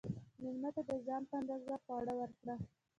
مېلمه ته د ځان په اندازه خواړه ورکړه.